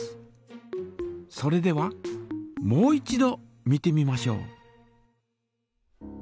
それではもう一度見てみましょう。